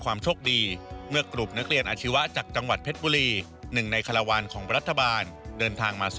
รวมถึงเมื่อเข้าขึ้นชดและ